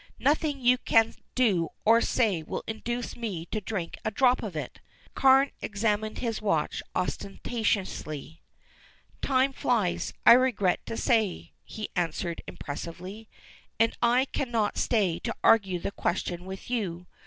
"Nothing you can do or say will induce me to drink a drop of it." Carne examined his watch ostentatiously. "Time flies, I regret to say," he answered impressively, "and I cannot stay to argue the question with you.